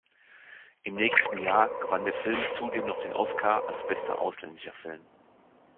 Im nächsten Jahr gewann der Film zudem noch den Oscar als bester ausländischer Film.